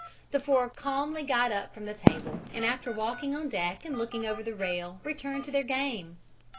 The four calmly got up from the table and after walking on deck and looking over the rail returned to their game.